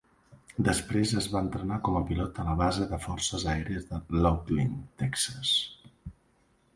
Després es va entrenar com a pilot a la Base de les Forces Aèries de Laughlin, Texas.